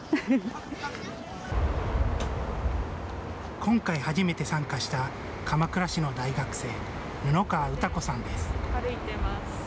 今回、初めて参加した鎌倉市の大学生布川詩子さんです。